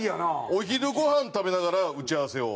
お昼ごはん食べながら打ち合わせを。